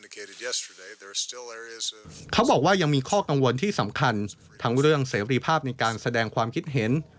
เขาบอกว่ายังมีข้อกังวลที่สำคัญทั้งเรื่องเสรีภาพในการแสดงความคิดเห็น